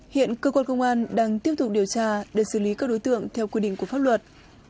hiện cơ quan công an đang tiếp tục điều tra để xử lý các đối tượng theo quy định của pháp luật